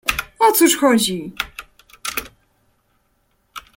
"O cóż chodzi?"